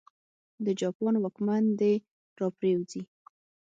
د جاپان واکمن دې را وپرځوي.